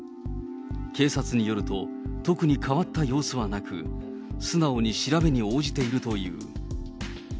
警察によると、特に変わった様子はなく、素直に調べに応じているという。